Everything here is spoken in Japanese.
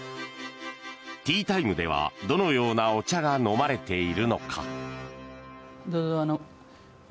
ティータイムではどのようなお茶が飲まれているのか。